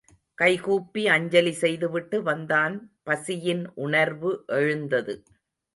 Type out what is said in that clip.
கைகூப்பி அஞ்சலி செய்துவிட்டு வந்தான்... பசியின் உணர்வு எழுந்தது.